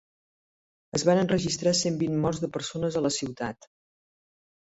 Es van enregistrar cent vint morts de persones a la ciutat.